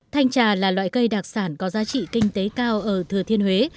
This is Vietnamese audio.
thanh trà là loại cây đặc sản có giá trị kinh tế cao ở thừa thiên huế